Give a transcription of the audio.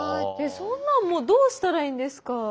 そんなんもうどうしたらいいんですか。